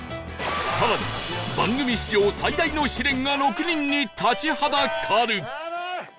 更に番組史上最大の試練が６人に立ちはだかる